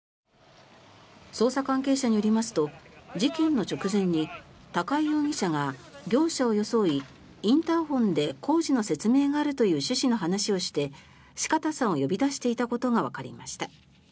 捜査関係者によりますと事件の直前に高井容疑者が業者を装いインターホンで工事の説明があるという趣旨の話をして四方さんを呼び出していたことがわかりました。